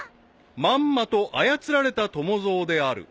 ［まんまと操られた友蔵である］